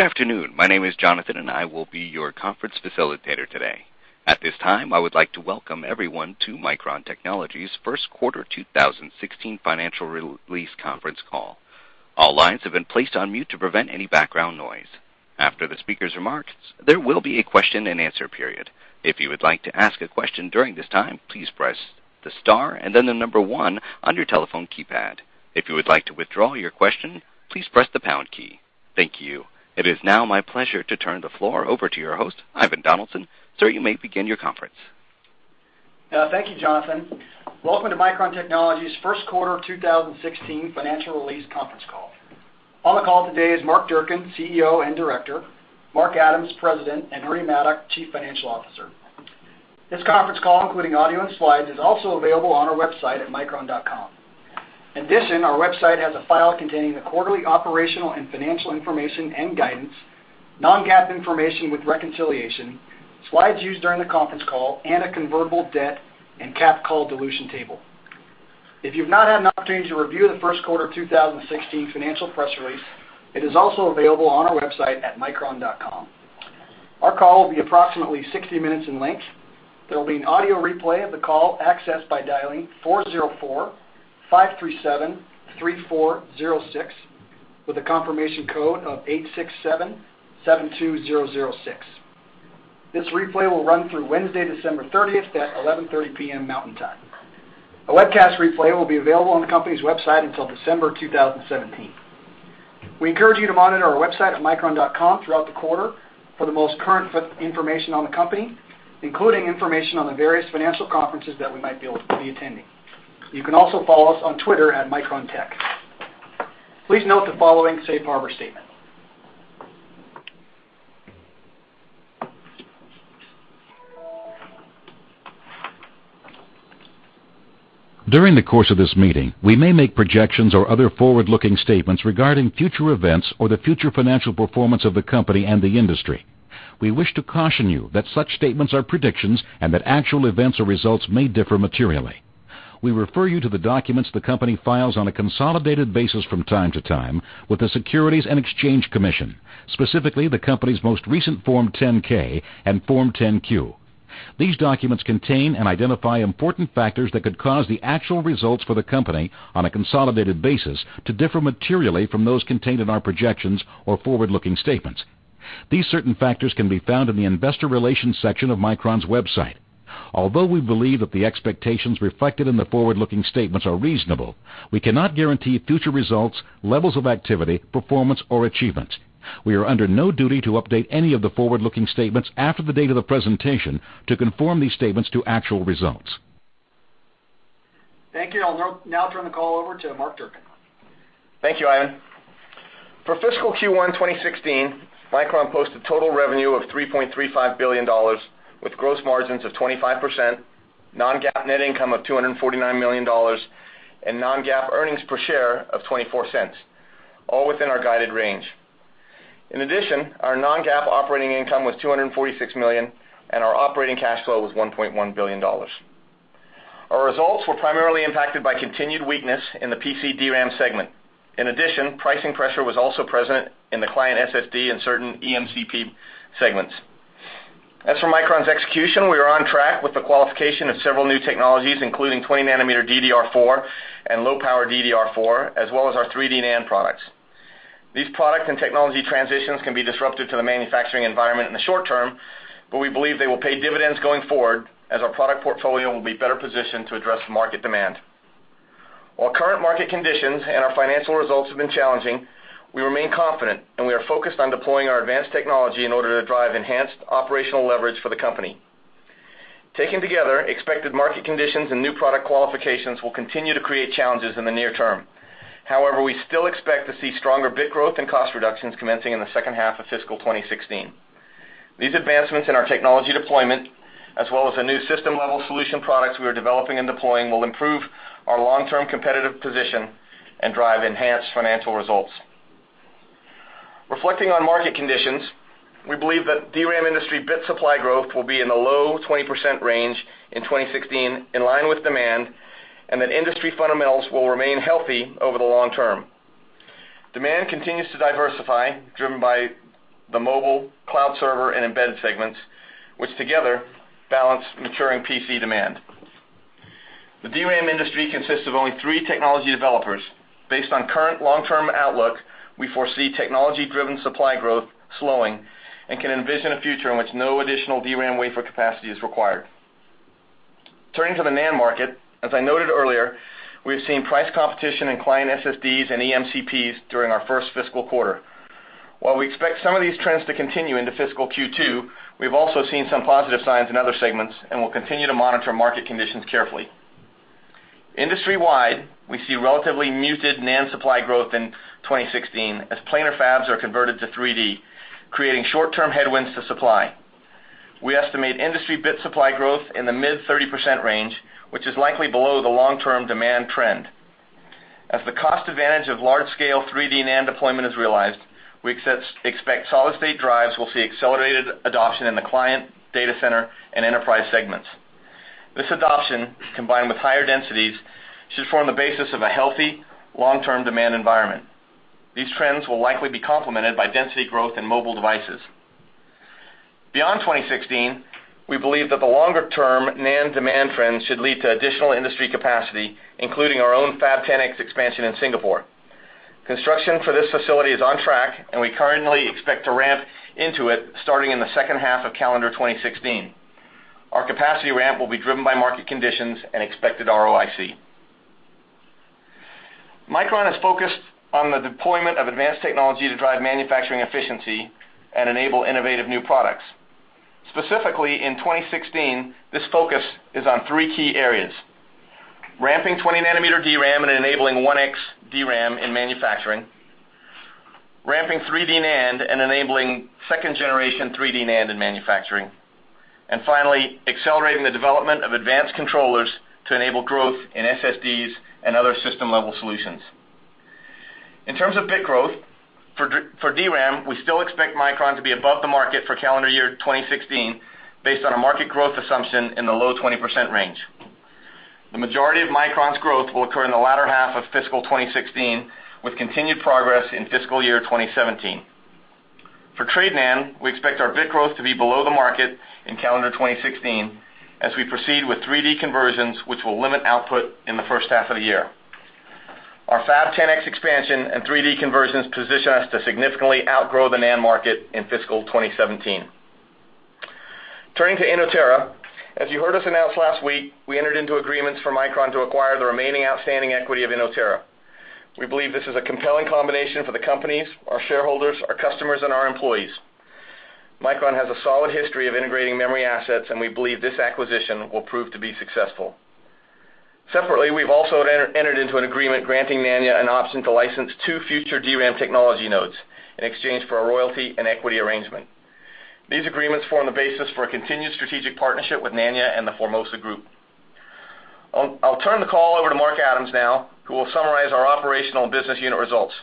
Good afternoon. My name is Jonathan, and I will be your conference facilitator today. At this time, I would like to welcome everyone to Micron Technology's first quarter 2016 financial release conference call. All lines have been placed on mute to prevent any background noise. After the speaker's remarks, there will be a question-and-answer period. If you would like to ask a question during this time, please press the star and then the number one on your telephone keypad. If you would like to withdraw your question, please press the pound key. Thank you. It is now my pleasure to turn the floor over to your host, Ivan Donaldson. Sir, you may begin your conference. Thank you, Jonathan. Welcome to Micron Technology's first quarter 2016 financial release conference call. On the call today is Mark Durcan, CEO and director, Mark Adams, President, and Henry Maddock, Chief Financial Officer. This conference call, including audio and slides, is also available on our website at micron.com. In addition, our website has a file containing the quarterly operational and financial information and guidance, non-GAAP information with reconciliation, slides used during the conference call, and a convertible debt and cap call dilution table. If you've not had an opportunity to review the first quarter of 2016 financial press release, it is also available on our website at micron.com. Our call will be approximately 60 minutes in length. There will be an audio replay of the call accessed by dialing 404-537-3406 with a confirmation code of 867-72006. This replay will run through Wednesday, December 30th at 11:30 P.M. Mountain Time. A webcast replay will be available on the company's website until December 2017. We encourage you to monitor our website at micron.com throughout the quarter for the most current information on the company, including information on the various financial conferences that we might be attending. You can also follow us on Twitter @MicronTech. Please note the following safe harbor statement. During the course of this meeting, we may make projections or other forward-looking statements regarding future events or the future financial performance of the company and the industry. We wish to caution you that such statements are predictions and that actual events or results may differ materially. We refer you to the documents the company files on a consolidated basis from time to time with the Securities and Exchange Commission, specifically the company's most recent Form 10-K and Form 10-Q. These documents contain and identify important factors that could cause the actual results for the company on a consolidated basis to differ materially from those contained in our projections or forward-looking statements. These certain factors can be found in the investor relations section of Micron's website. Although we believe that the expectations reflected in the forward-looking statements are reasonable, we cannot guarantee future results, levels of activity, performance, or achievements. We are under no duty to update any of the forward-looking statements after the date of the presentation to conform these statements to actual results. Thank you. I'll now turn the call over to Mark Durcan. Thank you, Ivan. For fiscal Q1 2016, Micron posted total revenue of $3.35 billion with gross margins of 25%, non-GAAP net income of $249 million, and non-GAAP earnings per share of $0.24, all within our guided range. In addition, our non-GAAP operating income was $246 million, and our operating cash flow was $1.1 billion. Our results were primarily impacted by continued weakness in the PC DRAM segment. In addition, pricing pressure was also present in the client SSD and certain EMCP segments. As for Micron's execution, we are on track with the qualification of several new technologies, including 20-nanometer DDR4 and low-power DDR4, as well as our 3D NAND products. These product and technology transitions can be disruptive to the manufacturing environment in the short term, we believe they will pay dividends going forward as our product portfolio will be better positioned to address market demand. While current market conditions and our financial results have been challenging, we remain confident, we are focused on deploying our advanced technology in order to drive enhanced operational leverage for the company. Taken together, expected market conditions and new product qualifications will continue to create challenges in the near term. We still expect to see stronger bit growth and cost reductions commencing in the second half of fiscal 2016. These advancements in our technology deployment, as well as the new system-level solution products we are developing and deploying, will improve our long-term competitive position and drive enhanced financial results. Reflecting on market conditions, we believe that DRAM industry bit supply growth will be in the low 20% range in 2016, in line with demand, industry fundamentals will remain healthy over the long term. Demand continues to diversify, driven by the mobile, cloud server, and embedded segments, which together balance maturing PC demand. The DRAM industry consists of only three technology developers. Based on current long-term outlook, we foresee technology-driven supply growth slowing and can envision a future in which no additional DRAM wafer capacity is required. Turning to the NAND market, as I noted earlier, we have seen price competition in client SSDs and EMCPs during our first fiscal quarter. While we expect some of these trends to continue into fiscal Q2, we've also seen some positive signs in other segments and will continue to monitor market conditions carefully. Industry-wide, we see relatively muted NAND supply growth in 2016 as planar fabs are converted to 3D, creating short-term headwinds to supply. We estimate industry bit supply growth in the mid-30% range, which is likely below the long-term demand trend. As the cost advantage of large-scale 3D NAND deployment is realized, we expect solid-state drives will see accelerated adoption in the client, data center, and enterprise segments. This adoption, combined with higher densities, should form the basis of a healthy long-term demand environment. These trends will likely be complemented by density growth in mobile devices. Beyond 2016, we believe that the longer-term NAND demand trend should lead to additional industry capacity, including our own Fab 10X expansion in Singapore. Construction for this facility is on track, and we currently expect to ramp into it starting in the second half of calendar 2016. Our capacity ramp will be driven by market conditions and expected ROIC. Micron is focused on the deployment of advanced technology to drive manufacturing efficiency and enable innovative new products. Specifically, in 2016, this focus is on three key areas. Ramping 20 nanometer DRAM and enabling 1X DRAM in manufacturing, ramping 3D NAND and enabling second generation 3D NAND in manufacturing, and finally, accelerating the development of advanced controllers to enable growth in SSDs and other system-level solutions. In terms of bit growth, for DRAM, we still expect Micron to be above the market for calendar year 2016, based on a market growth assumption in the low 20% range. The majority of Micron's growth will occur in the latter half of fiscal 2016, with continued progress in fiscal year 2017. For 3D NAND, we expect our bit growth to be below the market in calendar 2016, as we proceed with 3D conversions, which will limit output in the first half of the year. Our Fab 10X expansion and 3D conversions position us to significantly outgrow the NAND market in fiscal 2017. Turning to Inotera, as you heard us announce last week, we entered into agreements for Micron to acquire the remaining outstanding equity of Inotera. We believe this is a compelling combination for the companies, our shareholders, our customers and our employees. Micron has a solid history of integrating memory assets, and we believe this acquisition will prove to be successful. Separately, we've also entered into an agreement granting Nanya an option to license two future DRAM technology nodes in exchange for a royalty and equity arrangement. These agreements form the basis for a continued strategic partnership with Nanya and the Formosa group. I'll turn the call over to Mark Adams now, who will summarize our operational and business unit results.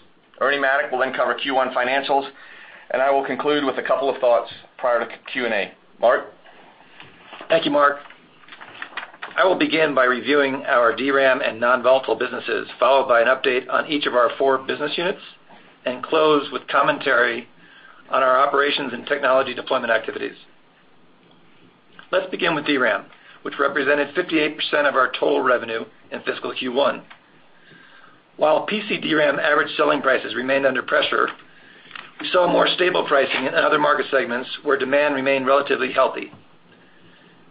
Ernie Maddock will then cover Q1 financials, and I will conclude with a couple of thoughts prior to Q&A. Mark? Thank you, Mark. I will begin by reviewing our DRAM and non-volatile businesses, followed by an update on each of our four business units, and close with commentary on our operations and technology deployment activities. Let's begin with DRAM, which represented 58% of our total revenue in fiscal Q1. While PC DRAM average selling prices remained under pressure, we saw more stable pricing in other market segments where demand remained relatively healthy.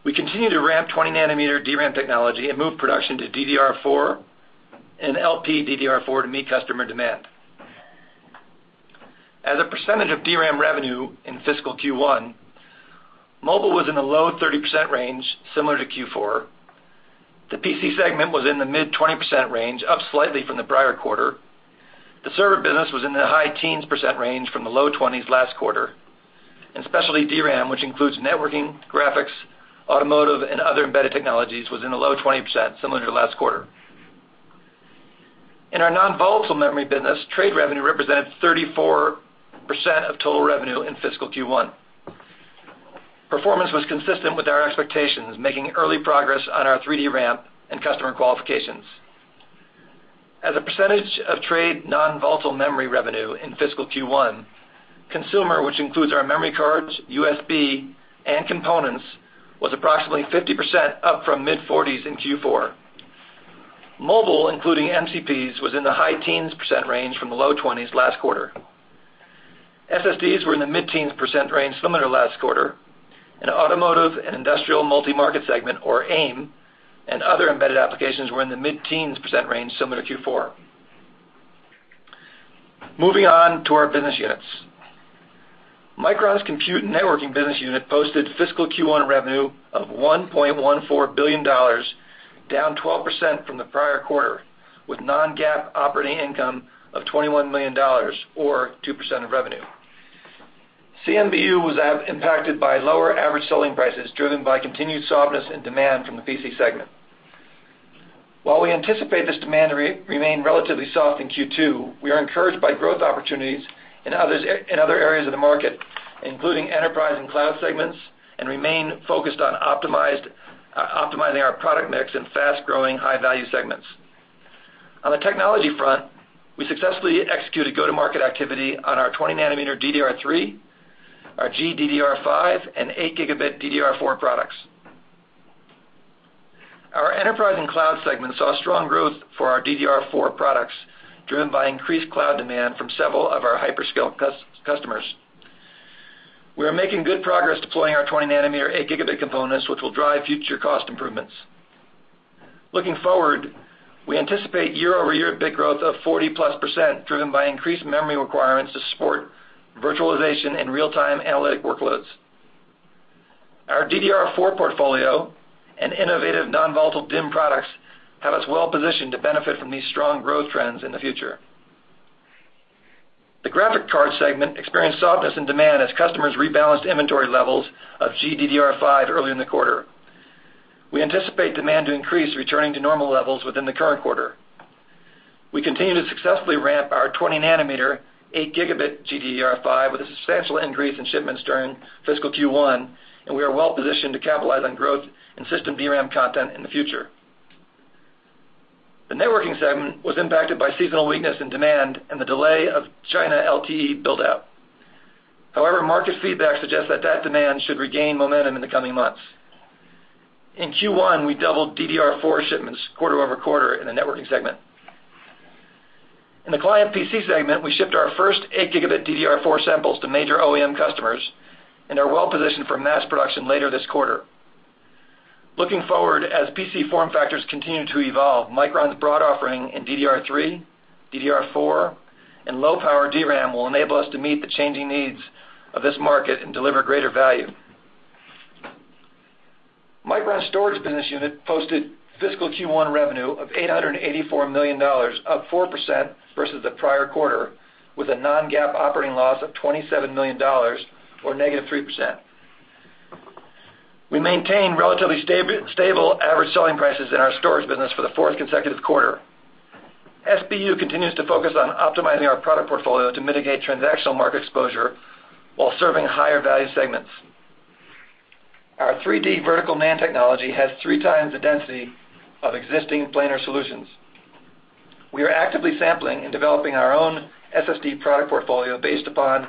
We continue to ramp 20 nanometer DRAM technology and move production to DDR4 and LPDDR4 to meet customer demand. As a percentage of DRAM revenue in fiscal Q1, mobile was in the low 30% range, similar to Q4. The PC segment was in the mid 20% range, up slightly from the prior quarter. The server business was in the high teens percent range from the low 20s last quarter. Specialty DRAM, which includes networking, graphics, automotive, and other embedded technologies, was in the low 20%, similar to last quarter. In our non-volatile memory business, trade revenue represented 34% of total revenue in fiscal Q1. Performance was consistent with our expectations, making early progress on our 3D ramp and customer qualifications. As a percentage of trade non-volatile memory revenue in fiscal Q1, consumer, which includes our memory cards, USB, and components, was approximately 50%, up from mid-40s in Q4. Mobile, including MCPs, was in the high teens percent range from the low 20s last quarter. SSDs were in the mid-teens percent range, similar to last quarter, and automotive and industrial multi-market segment, or AIM, and other embedded applications were in the mid-teens percent range, similar to Q4. Moving on to our business units. Micron's compute networking business unit posted fiscal Q1 revenue of $1.14 billion, down 12% from the prior quarter, with non-GAAP operating income of $21 million, or 2% of revenue. CNBU was impacted by lower average selling prices, driven by continued softness and demand from the PC segment. While we anticipate this demand to remain relatively soft in Q2, we are encouraged by growth opportunities in other areas of the market, including enterprise and cloud segments, and remain focused on optimizing our product mix in fast-growing, high-value segments. On the technology front, we successfully executed go-to-market activity on our 20 nanometer DDR3, our GDDR5, and eight gigabit DDR4 products. Our enterprise and cloud segment saw strong growth for our DDR4 products, driven by increased cloud demand from several of our hyperscale customers. We are making good progress deploying our 20 nanometer eight gigabit components, which will drive future cost improvements. Looking forward, we anticipate year-over-year bit growth of 40-plus percent, driven by increased memory requirements to support virtualization and real-time analytic workloads. Our DDR4 portfolio and innovative non-volatile DIMM products have us well positioned to benefit from these strong growth trends in the future. The graphic card segment experienced softness and demand as customers rebalanced inventory levels of GDDR5 early in the quarter. We anticipate demand to increase, returning to normal levels within the current quarter. We continue to successfully ramp our 20 nanometer, eight gigabit GDDR5 with a substantial increase in shipments during fiscal Q1, and we are well-positioned to capitalize on growth in system DRAM content in the future. The networking segment was impacted by seasonal weakness in demand and the delay of China LTE build-out. Market feedback suggests that demand should regain momentum in the coming months. In Q1, we doubled DDR4 shipments quarter-over-quarter in the networking segment. In the client PC segment, we shipped our first 8 gigabit DDR4 samples to major OEM customers and are well-positioned for mass production later this quarter. Looking forward, as PC form factors continue to evolve, Micron's broad offering in DDR3, DDR4, and low-power DRAM will enable us to meet the changing needs of this market and deliver greater value. Micron's storage business unit posted fiscal Q1 revenue of $884 million, up 4% versus the prior quarter, with a non-GAAP operating loss of $27 million, or negative 3%. We maintained relatively stable average selling prices in our storage business for the fourth consecutive quarter. SBU continues to focus on optimizing our product portfolio to mitigate transactional market exposure while serving higher value segments. Our 3D vertical NAND technology has three times the density of existing planar solutions. We are actively sampling and developing our own SSD product portfolio based upon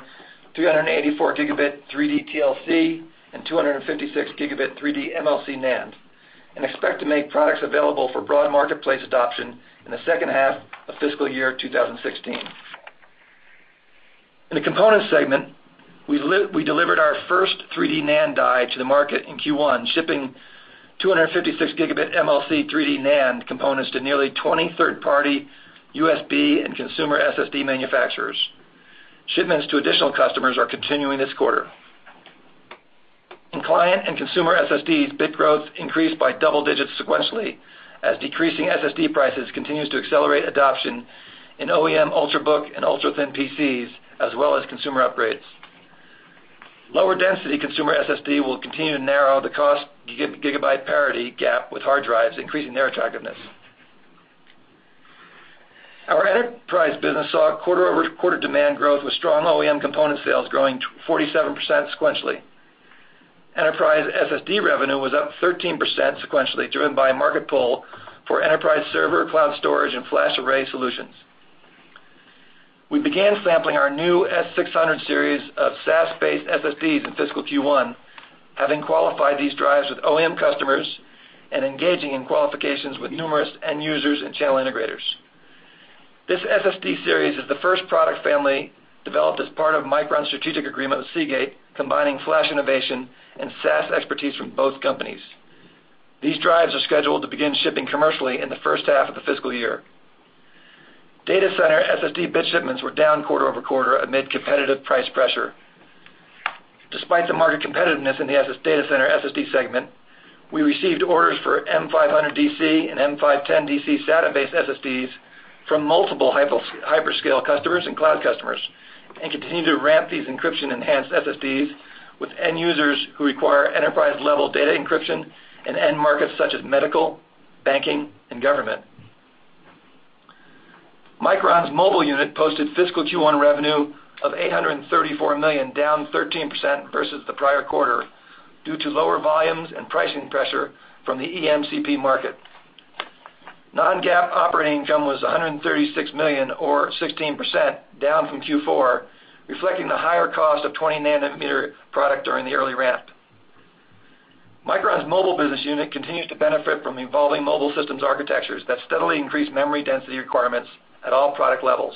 384 gigabit 3D TLC and 256 gigabit 3D MLC NAND, and expect to make products available for broad marketplace adoption in the second half of fiscal year 2016. In the components segment, we delivered our first 3D NAND die to the market in Q1, shipping 256 gigabit MLC 3D NAND components to nearly 20 third-party USB and consumer SSD manufacturers. Shipments to additional customers are continuing this quarter. In client and consumer SSDs, bit growth increased by double digits sequentially as decreasing SSD prices continues to accelerate adoption in OEM ultrabook and ultra-thin PCs, as well as consumer upgrades. Lower density consumer SSD will continue to narrow the cost gigabyte parity gap with hard drives, increasing their attractiveness. Our enterprise business saw quarter-over-quarter demand growth with strong OEM component sales growing 47% sequentially. Enterprise SSD revenue was up 13% sequentially, driven by a market pull for enterprise server, cloud storage, and flash array solutions. We began sampling our new S600 Series of SAS-based SSDs in fiscal Q1, having qualified these drives with OEM customers and engaging in qualifications with numerous end users and channel integrators. This SSD series is the first product family developed as part of Micron's strategic agreement with Seagate, combining flash innovation and SAS expertise from both companies. These drives are scheduled to begin shipping commercially in the first half of the fiscal year. Data center SSD bit shipments were down quarter-over-quarter amid competitive price pressure. Despite the market competitiveness in the data center SSD segment, we received orders for M500DC and M510DC SATA-based SSDs from multiple hyperscale customers and cloud customers, and continue to ramp these encryption-enhanced SSDs with end users who require enterprise-level data encryption in end markets such as medical, banking, and government. Micron's mobile unit posted fiscal Q1 revenue of $834 million, down 13% versus the prior quarter due to lower volumes and pricing pressure from the EMCP market. Non-GAAP operating income was $136 million, or 16%, down from Q4, reflecting the higher cost of 20 nanometer product during the early ramp. Micron's mobile business unit continues to benefit from evolving mobile systems architectures that steadily increase memory density requirements at all product levels.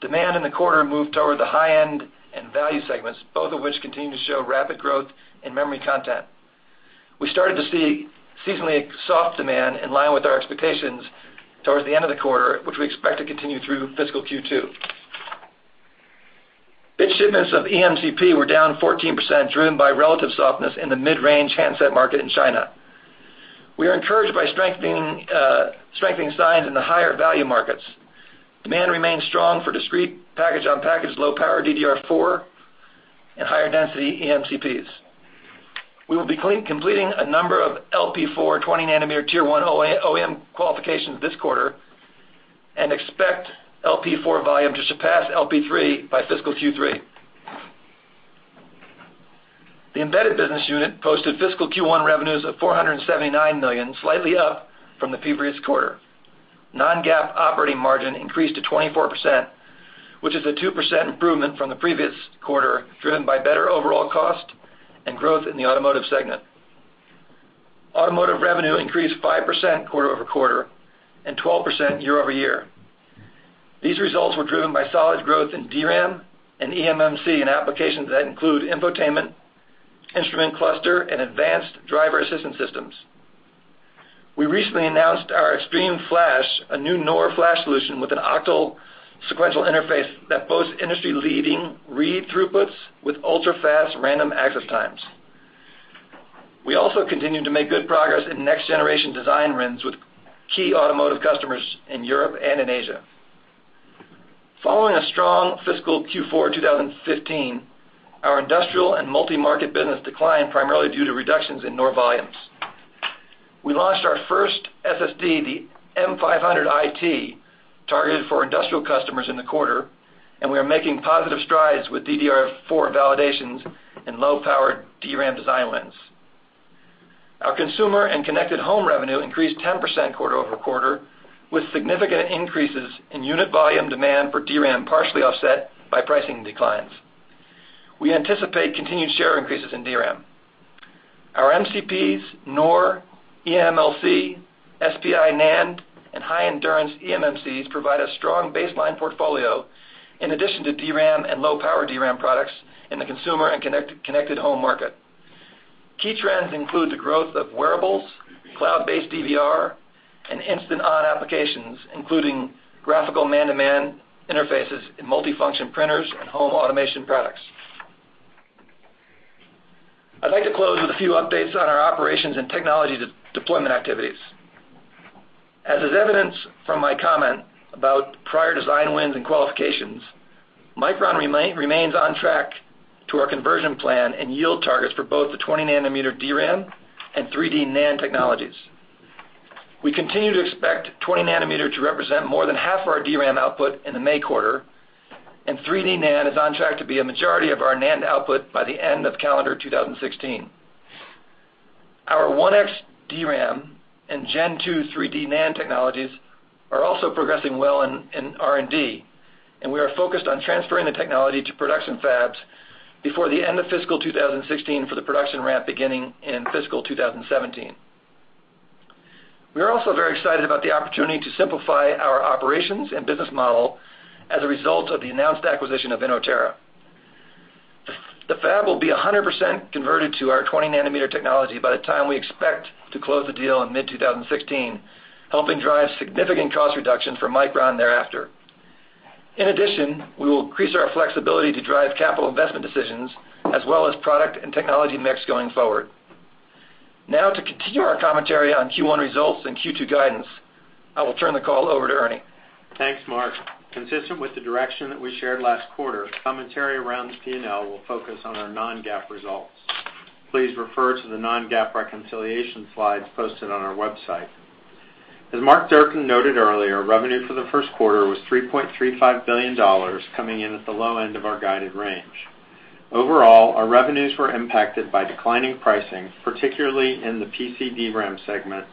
Demand in the quarter moved toward the high-end and value segments, both of which continue to show rapid growth in memory content. We started to see seasonally soft demand in line with our expectations towards the end of the quarter, which we expect to continue through fiscal Q2. Bit shipments of EMCP were down 14%, driven by relative softness in the mid-range handset market in China. We are encouraged by strengthening signs in the higher value markets. Demand remains strong for discrete package-on-package low-power DDR4 and higher density EMCPs. We will be completing a number of LP4 20-nanometer tier 1 OEM qualifications this quarter and expect LP4 volume to surpass LP3 by fiscal Q3. The embedded business unit posted fiscal Q1 revenues of $479 million, slightly up from the previous quarter. Non-GAAP operating margin increased to 24%, which is a 2% improvement from the previous quarter, driven by better overall cost and growth in the automotive segment. Automotive revenue increased 5% quarter-over-quarter and 12% year-over-year. These results were driven by solid growth in DRAM and eMMC in applications that include infotainment, instrument cluster, and advanced driver assistance systems. We recently announced our XTRMFlash, a new NOR flash solution with an octal sequential interface that boasts industry-leading read throughputs with ultra-fast random access times. We also continue to make good progress in next-generation design wins with key automotive customers in Europe and in Asia. Following a strong fiscal Q4 2015, our industrial and multi-market business declined primarily due to reductions in NOR volumes. We launched our first SSD, the M500IT, targeted for industrial customers in the quarter, and we are making positive strides with DDR4 validations and low-powered DRAM design wins. Our consumer and connected home revenue increased 10% quarter-over-quarter, with significant increases in unit volume demand for DRAM, partially offset by pricing declines. We anticipate continued share increases in DRAM. Our MCPs, NOR, eMLC, SPI NAND, and high-endurance eMMCs provide a strong baseline portfolio in addition to DRAM and low-power DRAM products in the consumer and connected home market. Key trends include the growth of wearables, cloud-based DVR, and instant-on applications, including graphical human-machine interfaces in multifunction printers and home automation products. I'd like to close with a few updates on our operations and technology deployment activities. As is evident from my comment about prior design wins and qualifications, Micron remains on track to our conversion plan and yield targets for both the 20 nanometer DRAM and 3D NAND technologies. We continue to expect 20 nanometer to represent more than half of our DRAM output in the May quarter, and 3D NAND is on track to be a majority of our NAND output by the end of calendar 2016. Our 1x DRAM and Gen2 3D NAND technologies are also progressing well in R&D, and we are focused on transferring the technology to production fabs before the end of fiscal 2016 for the production ramp beginning in fiscal 2017. We are also very excited about the opportunity to simplify our operations and business model as a result of the announced acquisition of Inotera. The fab will be 100% converted to our 20 nanometer technology by the time we expect to close the deal in mid-2016, helping drive significant cost reductions for Micron thereafter. In addition, we will increase our flexibility to drive capital investment decisions as well as product and technology mix going forward. To continue our commentary on Q1 results and Q2 guidance, I will turn the call over to Ernie. Thanks, Mark. Consistent with the direction that we shared last quarter, commentary around the P&L will focus on our non-GAAP results. Please refer to the non-GAAP reconciliation slides posted on our website. As Mark Durcan noted earlier, revenue for the first quarter was $3.35 billion, coming in at the low end of our guided range. Overall, our revenues were impacted by declining pricing, particularly in the PC DRAM segment,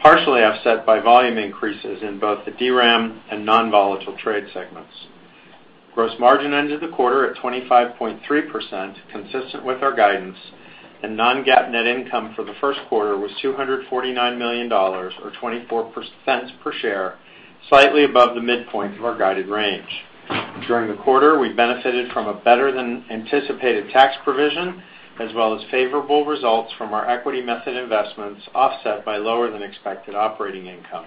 partially offset by volume increases in both the DRAM and non-volatile trade segments. Gross margin ended the quarter at 25.3%, consistent with our guidance, and non-GAAP net income for the first quarter was $249 million, or $0.24 per share, slightly above the midpoint of our guided range. During the quarter, we benefited from a better-than-anticipated tax provision, as well as favorable results from our equity method investments, offset by lower-than-expected operating income.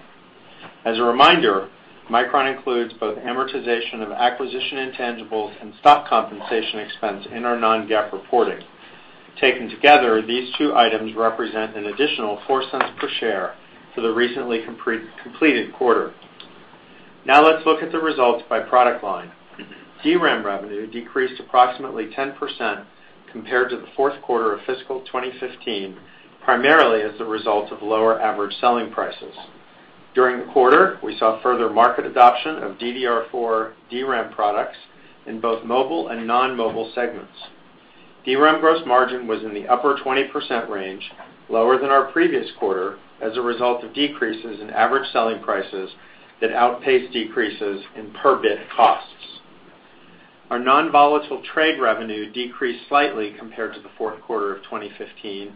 As a reminder, Micron includes both amortization of acquisition intangibles and stock compensation expense in our non-GAAP reporting. Taken together, these two items represent an additional $0.04 per share for the recently completed quarter. Now let's look at the results by product line. DRAM revenue decreased approximately 10% compared to the fourth quarter of fiscal 2015, primarily as a result of lower average selling prices. During the quarter, we saw further market adoption of DDR4 DRAM products in both mobile and non-mobile segments. DRAM gross margin was in the upper 20% range, lower than our previous quarter, as a result of decreases in average selling prices that outpaced decreases in per-bit costs. Our non-volatile trade revenue decreased slightly compared to the fourth quarter of 2015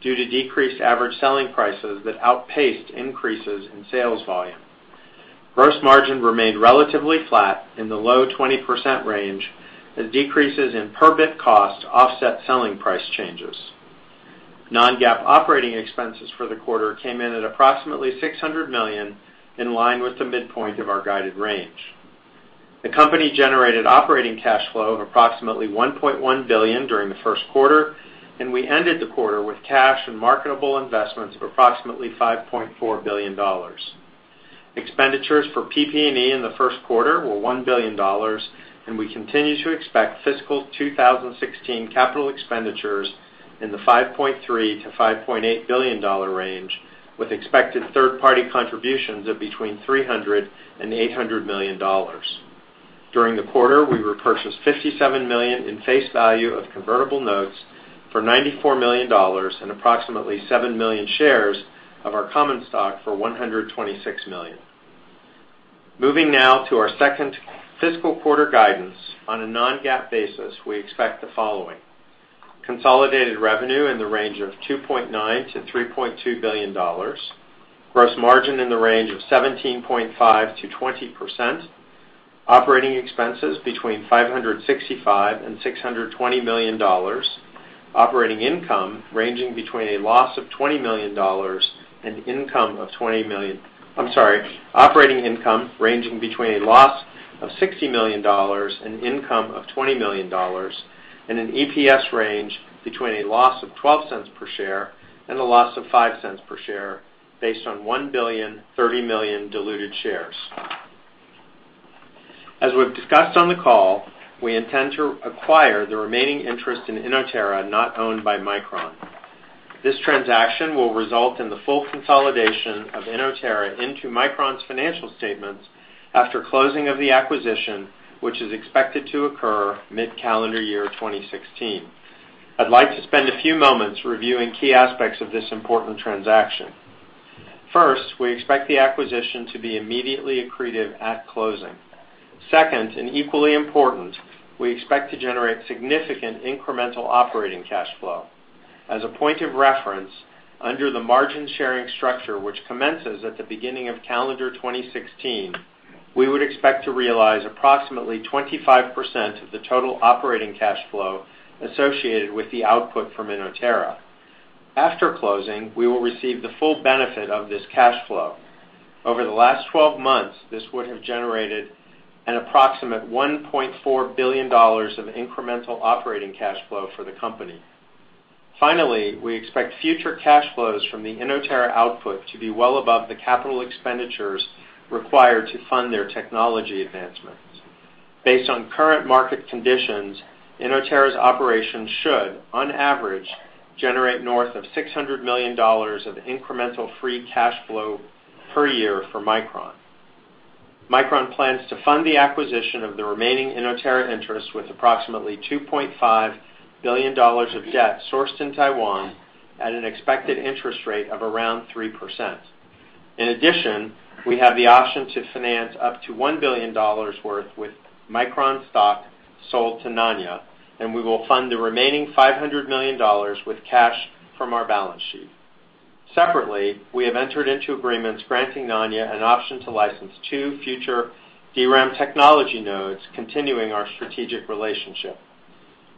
due to decreased average selling prices that outpaced increases in sales volume. Gross margin remained relatively flat in the low 20% range as decreases in per-bit cost offset selling price changes. Non-GAAP operating expenses for the quarter came in at approximately $600 million, in line with the midpoint of our guided range. The company generated operating cash flow of approximately $1.1 billion during the first quarter, and we ended the quarter with cash and marketable investments of approximately $5.4 billion. Expenditures for PP&E in the first quarter were $1 billion, and we continue to expect fiscal 2016 capital expenditures in the $5.3 billion-$5.8 billion range, with expected third-party contributions of between $300 million and $800 million. During the quarter, we repurchased $57 million in face value of convertible notes for $94 million and approximately 7 million shares of our common stock for $126 million. Moving now to our second fiscal quarter guidance. On a non-GAAP basis, we expect the following: consolidated revenue in the range of $2.9 billion-$3.2 billion, gross margin in the range of 17.5%-20%, operating expenses between $565 million and $620 million, operating income ranging between a loss of $20 million and income of $20 million-- I'm sorry, operating income ranging between a loss of $60 million and income of $20 million, and an EPS range between a loss of $0.12 per share and a loss of $0.05 per share based on 1 billion 30 million diluted shares. As we've discussed on the call, we intend to acquire the remaining interest in Inotera not owned by Micron. This transaction will result in the full consolidation of Inotera into Micron's financial statements after closing of the acquisition, which is expected to occur mid-calendar year 2016. I'd like to spend a few moments reviewing key aspects of this important transaction. First, we expect the acquisition to be immediately accretive at closing. Second, and equally important, we expect to generate significant incremental operating cash flow. As a point of reference, under the margin-sharing structure, which commences at the beginning of calendar 2016, we would expect to realize approximately 25% of the total operating cash flow associated with the output from Inotera. After closing, we will receive the full benefit of this cash flow. Over the last 12 months, this would have generated an approximate $1.4 billion of incremental operating cash flow for the company. Finally, we expect future cash flows from the Inotera output to be well above the capital expenditures required to fund their technology advancements. Based on current market conditions, Inotera's operations should, on average, generate north of $600 million of incremental free cash flow per year for Micron. Micron plans to fund the acquisition of the remaining Inotera interest with approximately $2.5 billion of debt sourced in Taiwan at an expected interest rate of around 3%. In addition, we have the option to finance up to $1 billion worth with Micron stock sold to Nanya, and we will fund the remaining $500 million with cash from our balance sheet. Separately, we have entered into agreements granting Nanya an option to license two future DRAM technology nodes, continuing our strategic relationship.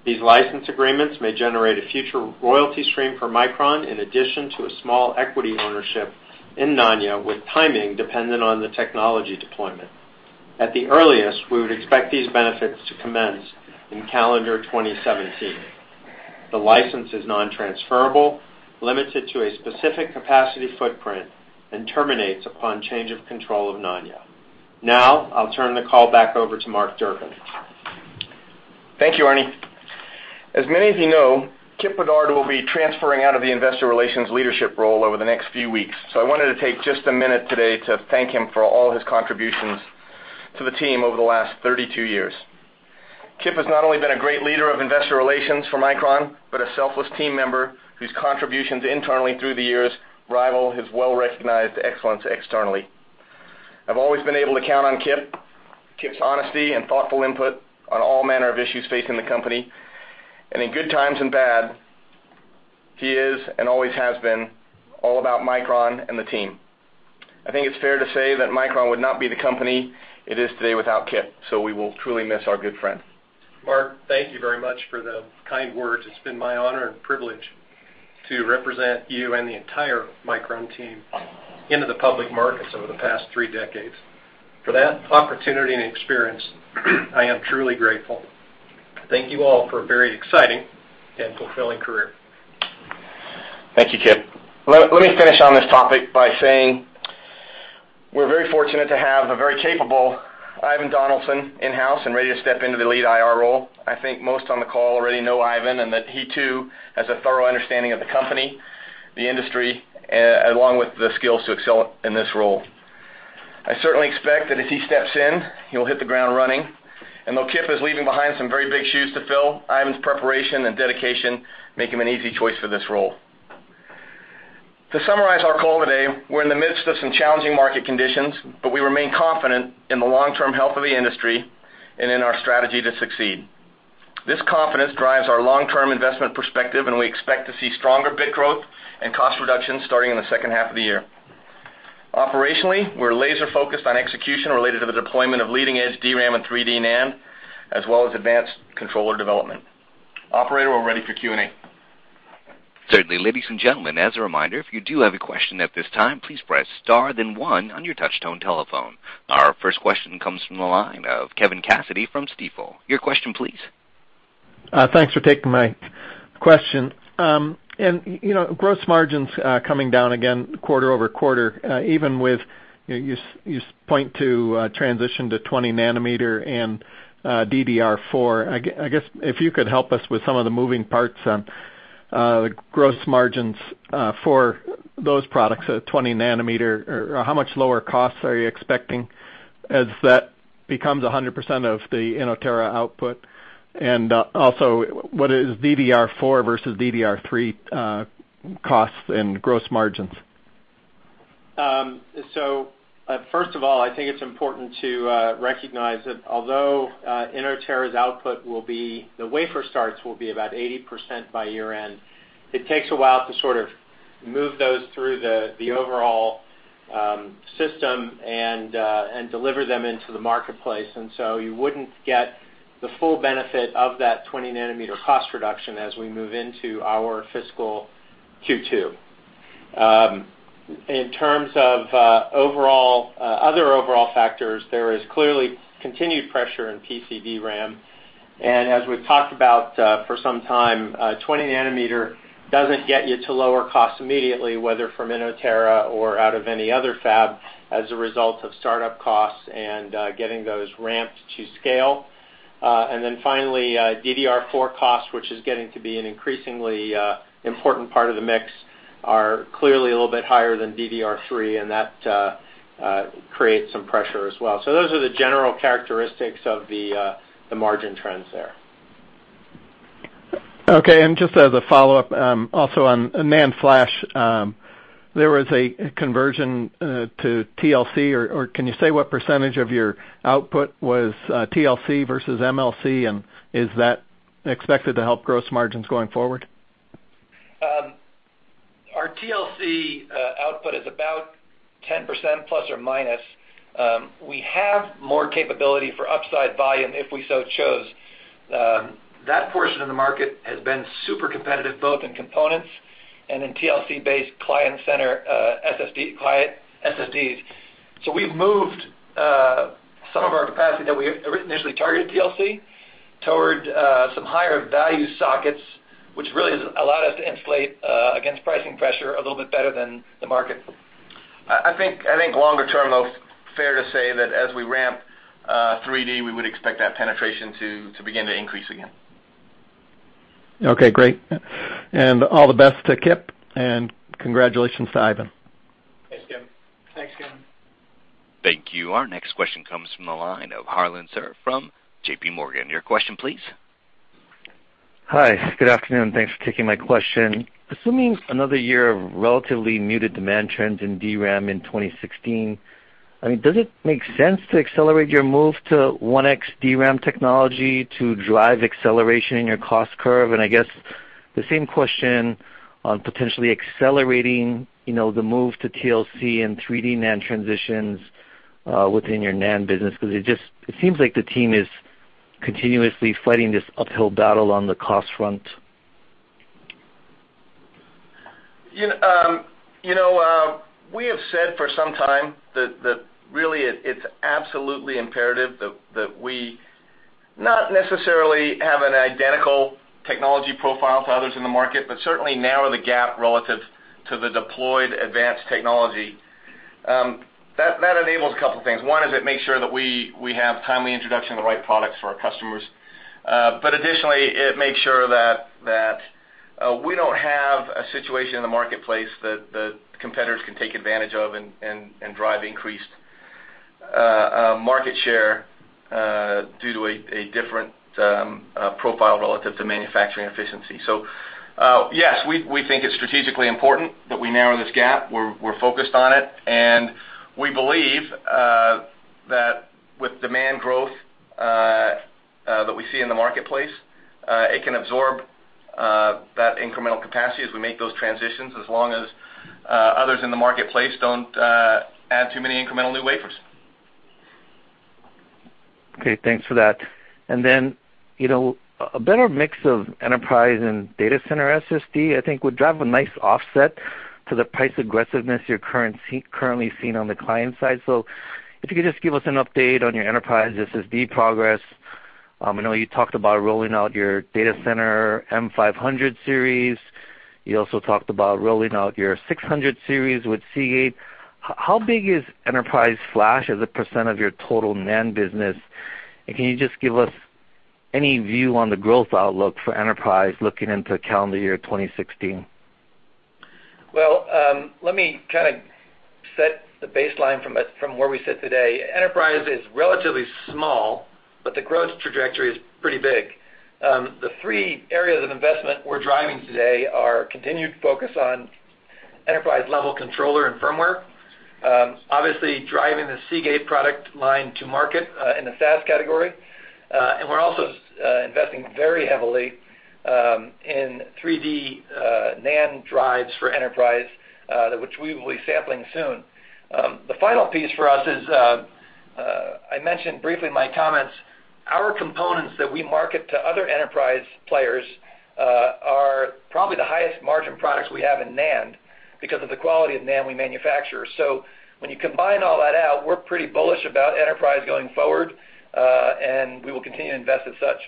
These license agreements may generate a future royalty stream for Micron, in addition to a small equity ownership in Nanya, with timing dependent on the technology deployment. At the earliest, we would expect these benefits to commence in calendar 2017. The license is non-transferable, limited to a specific capacity footprint, and terminates upon change of control of Nanya. I'll turn the call back over to Mark Durcan. Thank you, Ernie. As many of you know, Kipp Bedard will be transferring out of the investor relations leadership role over the next few weeks, so I wanted to take just a minute today to thank him for all his contributions to the team over the last 32 years. Kipp has not only been a great leader of investor relations for Micron but a selfless team member whose contributions internally through the years rival his well-recognized excellence externally. I've always been able to count on Kipp's honesty, and thoughtful input on all manner of issues facing the company. In good times and bad, he is, and always has been, all about Micron and the team. I think it's fair to say that Micron would not be the company it is today without Kipp, so we will truly miss our good friend. Mark, thank you very much for the kind words. It's been my honor and privilege to represent you and the entire Micron team into the public markets over the past three decades. For that opportunity and experience, I am truly grateful. Thank you all for a very exciting and fulfilling career. Thank you, Kip. Let me finish on this topic by saying we're very fortunate to have a very capable Ivan Donaldson in-house and ready to step into the lead IR role. I think most on the call already know Ivan and that he, too, has a thorough understanding of the company, the industry, along with the skills to excel in this role. I certainly expect that as he steps in, he'll hit the ground running. Though Kip is leaving behind some very big shoes to fill, Ivan's preparation and dedication make him an easy choice for this role. To summarize our call today, we're in the midst of some challenging market conditions, we remain confident in the long-term health of the industry and in our strategy to succeed. This confidence drives our long-term investment perspective, we expect to see stronger bit growth and cost reductions starting in the second half of the year. Operationally, we're laser-focused on execution related to the deployment of leading-edge DRAM and 3D NAND, as well as advanced controller development. Operator, we're ready for Q&A. Certainly. Ladies and gentlemen, as a reminder, if you do have a question at this time, please press star, then one on your touchtone telephone. Our first question comes from the line of Kevin Cassidy from Stifel. Your question, please. Thanks for taking my question. Gross margins coming down again quarter-over-quarter, even with you point to transition to 20 nanometer and DDR4. I guess if you could help us with some of the moving parts on the gross margins for those products at 20 nanometer. How much lower costs are you expecting as that becomes 100% of the Inotera output? Also, what is DDR4 versus DDR3 costs and gross margins? First of all, I think it's important to recognize that although Inotera's output, the wafer starts will be about 80% by year-end, it takes a while to sort of move those through the overall system and deliver them into the marketplace. You wouldn't get the full benefit of that 20 nanometer cost reduction as we move into our fiscal Q2. In terms of other overall factors, there is clearly continued pressure in PC DRAM. As we've talked about for some time, 20 nanometer 20 nanometer doesn't get you to lower costs immediately, whether from Inotera or out of any other fab as a result of startup costs and getting those ramped to scale. Finally, DDR4 costs, which is getting to be an increasingly important part of the mix, are clearly a little bit higher than DDR3, and that creates some pressure as well. Those are the general characteristics of the margin trends there. Okay. Just as a follow-up, also on NAND flash, there was a conversion to TLC, or can you say what percentage of your output was TLC versus MLC? Is that expected to help gross margins going forward? Our TLC output is about 10% plus or minus. We have more capability for upside volume if we so chose. That portion of the market has been super competitive, both in components and in TLC-based client SSDs. We've moved some of our capacity that we initially targeted TLC toward some higher value sockets, which really has allowed us to insulate against pricing pressure a little bit better than the market. I think longer term, though, it's fair to say that as we ramp 3D, we would expect that penetration to begin to increase again. Okay, great. All the best to Kipp, and congratulations to Ivan. Thanks, Kevin. Thanks, Kim. Thank you. Our next question comes from the line of Harlan Sur from J.P. Morgan. Your question please. Hi, good afternoon. Thanks for taking my question. Assuming another year of relatively muted demand trends in DRAM in 2016, I mean, does it make sense to accelerate your move to 1x DRAM technology to drive acceleration in your cost curve? I guess the same question on potentially accelerating the move to TLC and 3D NAND transitions, within your NAND business, because it seems like the team is continuously fighting this uphill battle on the cost front. We have said for some time that really it's absolutely imperative that we not necessarily have an identical technology profile to others in the market, but certainly narrow the gap relative to the deployed advanced technology. That enables a couple of things. One is it makes sure that we have timely introduction of the right products for our customers. Additionally, it makes sure that we don't have a situation in the marketplace that competitors can take advantage of and drive increased market share, due to a different profile relative to manufacturing efficiency. Yes, we think it's strategically important that we narrow this gap. We're focused on it, and we believe, that with demand growth that we see in the marketplace, it can absorb that incremental capacity as we make those transitions as long as others in the marketplace don't add too many incremental new wafers. Okay, thanks for that. A better mix of enterprise and data center SSD, I think would drive a nice offset to the price aggressiveness you're currently seeing on the client side. If you could just give us an update on your enterprise SSD progress. I know you talked about rolling out your data center M500 series. You also talked about rolling out your S600 Series with Seagate. How big is enterprise flash as a % of your total NAND business? Can you just give us any view on the growth outlook for enterprise looking into calendar year 2016? Well, let me kind of set the baseline from where we sit today. Enterprise is relatively small, but the growth trajectory is pretty big. The three areas of investment we're driving today are continued focus on enterprise-level controller and firmware, obviously driving the Seagate product line to market, in the SAS category. We're also investing very heavily in 3D NAND drives for enterprise, which we will be sampling soon. The final piece for us is, I mentioned briefly in my comments, our components that we market to other enterprise players are probably the highest margin products we have in NAND because of the quality of NAND we manufacture. When you combine all that out, we're pretty bullish about enterprise going forward, and we will continue to invest as such.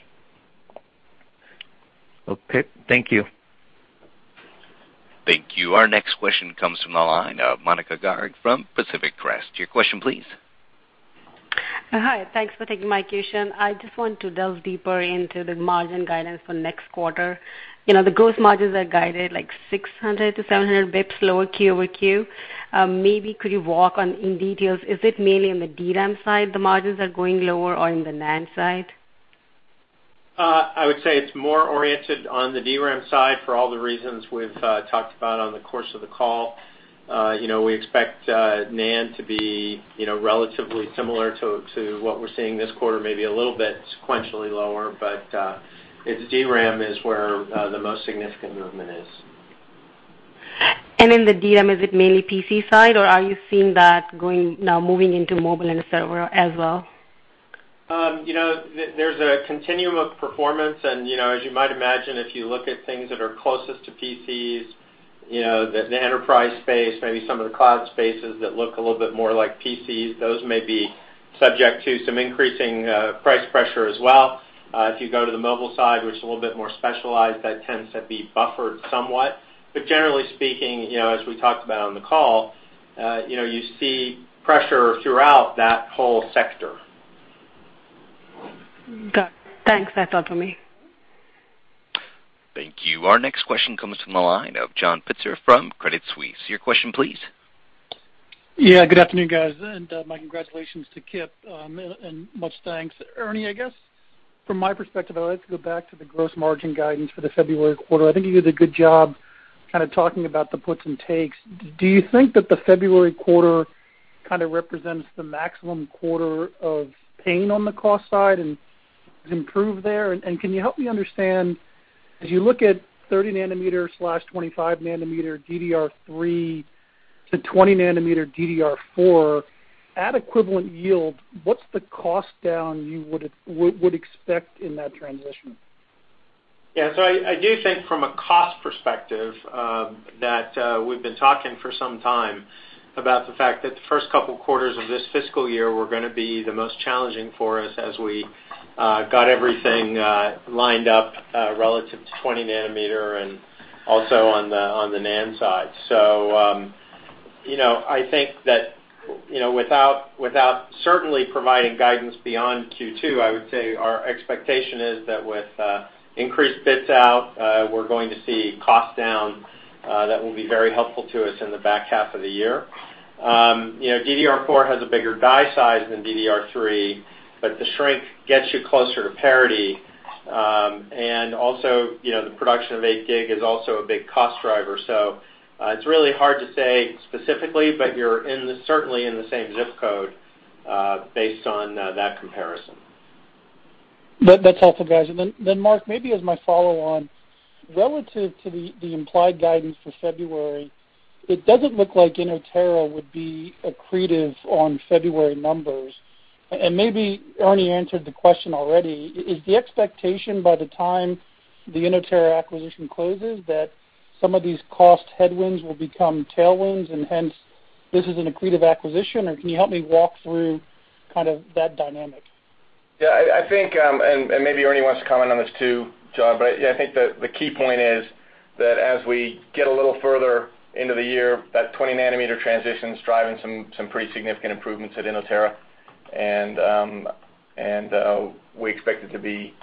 Okay. Thank you. Thank you. Our next question comes from the line of Monika Garg from Pacific Crest. Your question please. Hi. Thanks for taking my question. I just want to delve deeper into the margin guidance for next quarter. The gross margins are guided like 600-700 basis points lower quarter-over-quarter. Maybe could you walk on in details, is it mainly on the DRAM side, the margins are going lower or on the NAND side? I would say it's more oriented on the DRAM side for all the reasons we've talked about on the course of the call. We expect NAND to be relatively similar to what we're seeing this quarter, maybe a little bit sequentially lower, but it's DRAM is where the most significant movement is. In the DRAM, is it mainly PC side, or are you seeing that going now moving into mobile and server as well? There's a continuum of performance, and as you might imagine, if you look at things that are closest to PCs The enterprise space, maybe some of the cloud spaces that look a little bit more like PCs, those may be subject to some increasing price pressure as well. If you go to the mobile side, which is a little bit more specialized, that tends to be buffered somewhat. Generally speaking, as we talked about on the call, you see pressure throughout that whole sector. Got it. Thanks. That's all for me. Thank you. Our next question comes from the line of John Pitzer from Credit Suisse. Your question, please. Good afternoon, guys, and my congratulations to Kipp, and much thanks. Ernie, I guess from my perspective, I'd like to go back to the gross margin guidance for the February quarter. I think you did a good job kind of talking about the puts and takes. Do you think that the February quarter kind of represents the maximum quarter of pain on the cost side and improve there? Can you help me understand, as you look at 30 nanometer/25 nanometer DDR3 to 20 nanometer DDR4, at equivalent yield, what's the cost down you would expect in that transition? I do think from a cost perspective, that we've been talking for some time about the fact that the first couple quarters of this fiscal year were going to be the most challenging for us as we got everything lined up, relative to 20 nanometer and also on the NAND side. I think that without certainly providing guidance beyond Q2, I would say our expectation is that with increased bits out, we're going to see cost down that will be very helpful to us in the back half of the year. DDR4 has a bigger die size than DDR3, but the shrink gets you closer to parity. Also, the production of 8 gig is also a big cost driver. It's really hard to say specifically, but you're certainly in the same zip code, based on that comparison. That's helpful, guys. Then Mark, maybe as my follow on, relative to the implied guidance for February, it doesn't look like Inotera would be accretive on February numbers. Maybe Ernie answered the question already. Is the expectation by the time the Inotera acquisition closes that some of these cost headwinds will become tailwinds and hence this is an accretive acquisition? Or can you help me walk through kind of that dynamic? I think, maybe Ernie wants to comment on this too, John, but I think the key point is that as we get a little further into the year, that 20 nanometer transition is driving some pretty significant improvements at Inotera. We expect it to be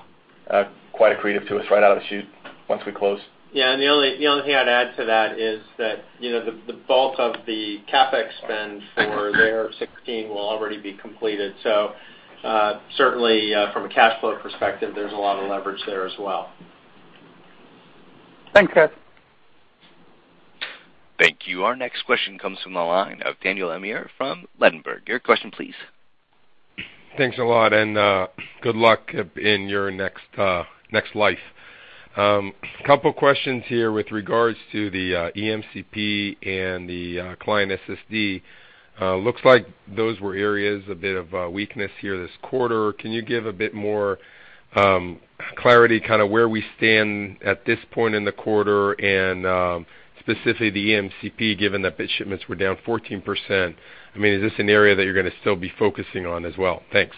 quite accretive to us right out of the chute once we close. The only thing I'd add to that is that the bulk of the CapEx spend for their 2016 will already be completed. Certainly, from a cash flow perspective, there's a lot of leverage there as well. Thanks, guys. Thank you. Our next question comes from the line of Daniel Amir from Ladenburg Thalmann. Your question, please. Thanks a lot, and good luck, Kipp, in your next life. Couple questions here with regards to the EMCP and the client SSD. Looks like those were areas, a bit of weakness here this quarter. Can you give a bit more clarity, kind of where we stand at this point in the quarter and, specifically the EMCP, given that bit shipments were down 14%? Is this an area that you're going to still be focusing on as well? Thanks.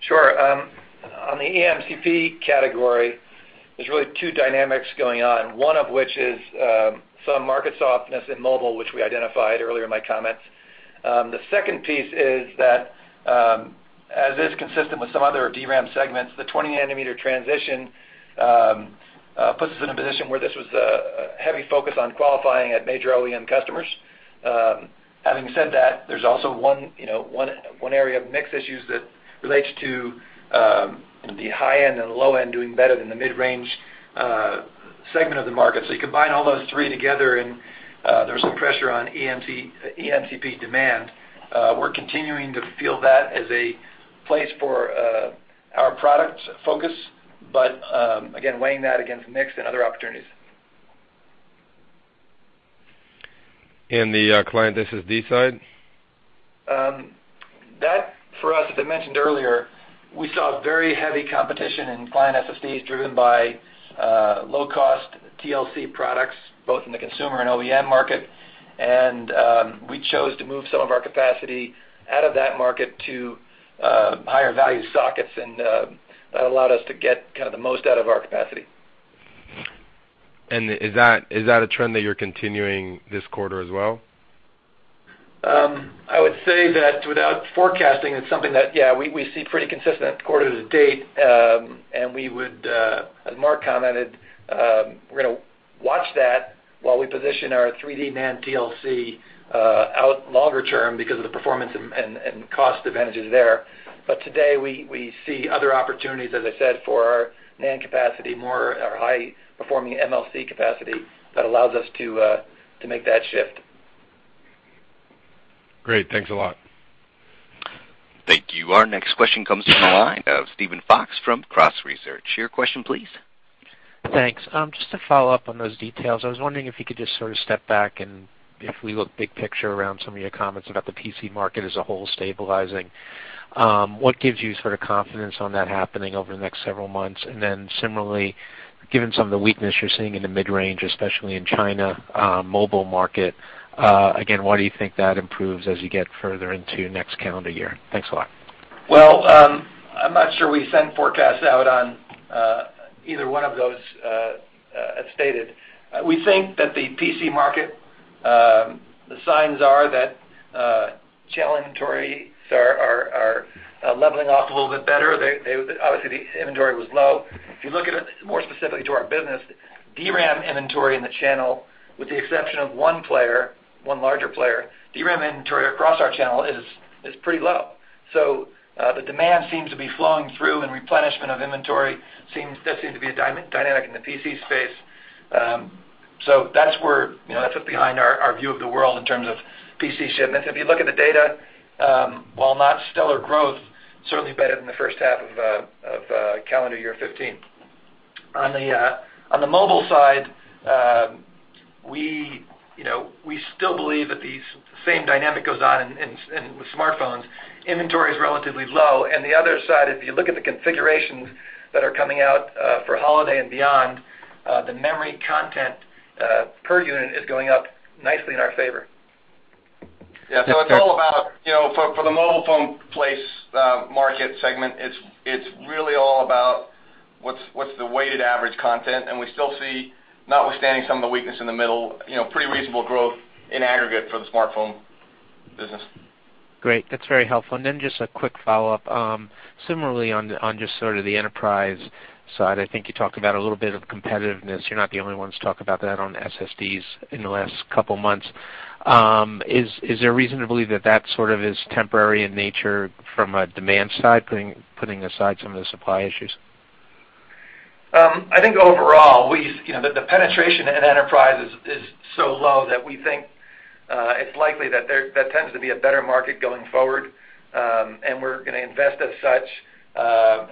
Sure. On the EMCP category, there's really two dynamics going on, one of which is some market softness in mobile, which we identified earlier in my comments. The second piece is that, as is consistent with some other DRAM segments, the 20 nanometer transition puts us in a position where this was a heavy focus on qualifying at major OEM customers. Having said that, there's also one area of mix issues that relates to the high end and the low end doing better than the mid-range segment of the market. You combine all those three together, and there's some pressure on EMCP demand. We're continuing to feel that as a place for our product focus, but, again, weighing that against mix and other opportunities. the client SSD side? That for us, as I mentioned earlier, we saw very heavy competition in client SSDs driven by low-cost TLC products, both in the consumer and OEM market. We chose to move some of our capacity out of that market to higher value sockets, and that allowed us to get kind of the most out of our capacity. Is that a trend that you're continuing this quarter as well? I would say that without forecasting, it's something that, yeah, we see pretty consistent quarter to date. We would, as Mark commented, we're going to watch that while we position our 3D NAND TLC out longer term because of the performance and cost advantages there. Today we see other opportunities, as I said, for our NAND capacity, more our high-performing MLC capacity that allows us to make that shift. Great. Thanks a lot. Thank you. Our next question comes from the line of Steven Fox from Cross Research. Your question, please. Thanks. Just to follow up on those details, I was wondering if you could just sort of step back and if we look big picture around some of your comments about the PC market as a whole stabilizing. What gives you confidence on that happening over the next several months? Similarly, given some of the weakness you're seeing in the mid-range, especially in China mobile market, again, why do you think that improves as you get further into next calendar year? Thanks a lot. Well, I'm not sure we send forecasts out on either one of those as stated. We think that the PC market, the signs are that channel inventories are leveling off a little bit better. Obviously, the inventory was low. If you look at it more specifically to our business, DRAM inventory in the channel, with the exception of one player, one larger player, DRAM inventory across our channel is pretty low. The demand seems to be flowing through, and replenishment of inventory, that seemed to be a dynamic in the PC space. That's what's behind our view of the world in terms of PC shipments. If you look at the data, while not stellar growth, certainly better than the first half of calendar year 2015. On the mobile side, we still believe that the same dynamic goes on with smartphones. Inventory is relatively low. The other side, if you look at the configurations that are coming out for holiday and beyond, the memory content per unit is going up nicely in our favor. Yeah. For the mobile phone market segment, it's really all about what's the weighted average content. We still see, notwithstanding some of the weakness in the middle, pretty reasonable growth in aggregate for the smartphone business. Great. That's very helpful. Just a quick follow-up. Similarly, on just sort of the enterprise side, I think you talked about a little bit of competitiveness. You're not the only ones to talk about that on SSDs in the last couple of months. Is there reason to believe that sort of is temporary in nature from a demand side, putting aside some of the supply issues? I think overall, the penetration in enterprise is so low that we think it's likely that tends to be a better market going forward, and we're going to invest as such.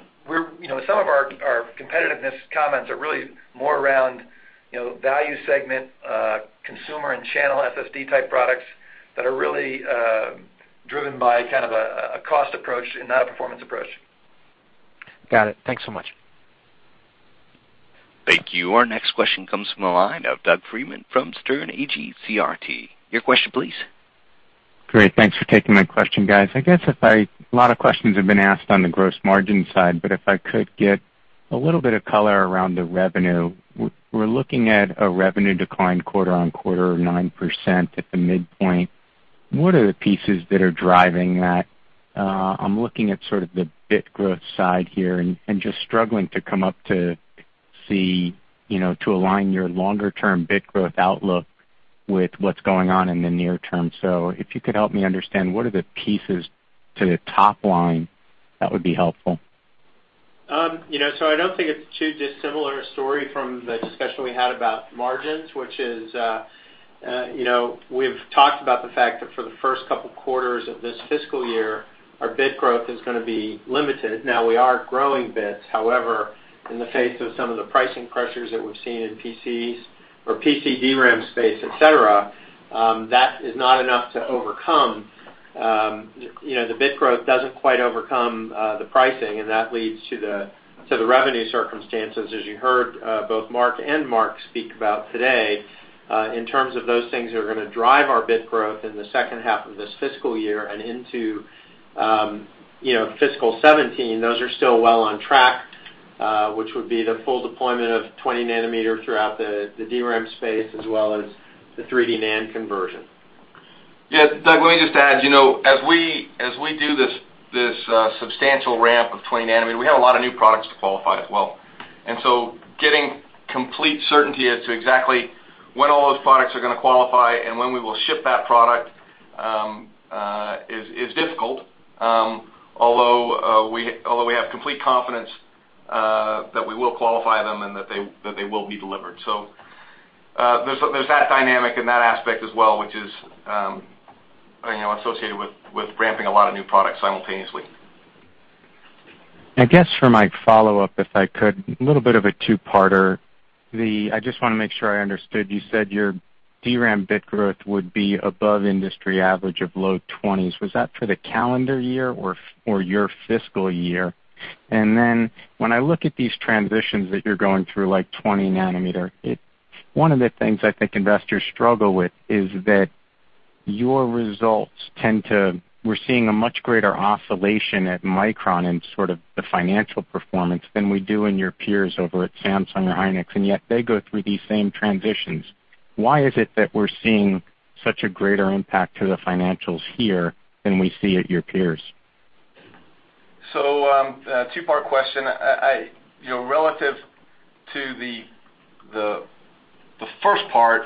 Some of our competitiveness comments are really more around value segment, consumer, and channel SSD-type products that are really driven by kind of a cost approach and not a performance approach. Got it. Thanks so much. Thank you. Our next question comes from the line of Doug Freedman from Sterne Agee CRT. Your question please. Great. Thanks for taking my question, guys. I guess a lot of questions have been asked on the gross margin side, but if I could get a little bit of color around the revenue. We're looking at a revenue decline quarter-over-quarter of 9% at the midpoint. What are the pieces that are driving that? I'm looking at sort of the bit growth side here and just struggling to come up to align your longer-term bit growth outlook with what's going on in the near term. If you could help me understand what are the pieces to the top line, that would be helpful. I don't think it's too dissimilar a story from the discussion we had about margins, which is we've talked about the fact that for the first couple quarters of this fiscal year, our bit growth is going to be limited. Now we are growing bits. However, in the face of some of the pricing pressures that we've seen in PCs or PC DRAM space, et cetera, that is not enough to overcome. The bit growth doesn't quite overcome the pricing, and that leads to the revenue circumstances, as you heard both Mark and Mark speak about today. In terms of those things that are going to drive our bit growth in the second half of this fiscal year and into fiscal 2017, those are still well on track, which would be the full deployment of 20 nanometer throughout the DRAM space, as well as the 3D NAND conversion. Yeah, Doug, let me just add, as we do this substantial ramp of 20 nanometer, we have a lot of new products to qualify as well. Getting complete certainty as to exactly when all those products are going to qualify and when we will ship that product is difficult, although we have complete confidence that we will qualify them and that they will be delivered. There's that dynamic and that aspect as well, which is associated with ramping a lot of new products simultaneously. I guess for my follow-up, if I could, a little bit of a two-parter. I just want to make sure I understood. You said your DRAM bit growth would be above industry average of low 20s. Was that for the calendar year or your fiscal year? When I look at these transitions that you're going through, like 20 nanometer, one of the things I think investors struggle with is that your results, we're seeing a much greater oscillation at Micron in sort of the financial performance than we do in your peers over at Samsung or Hynix, and yet they go through these same transitions. Why is it that we're seeing such a greater impact to the financials here than we see at your peers? A two-part question. Relative to the first part,